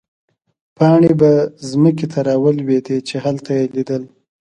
پاڼې به مځکې ته رالوېدې، چې هلته يې لیدل.